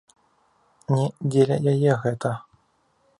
Не дзеля яе гэта.